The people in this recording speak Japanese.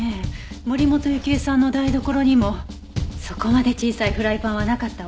森本雪絵さんの台所にもそこまで小さいフライパンはなかったわ。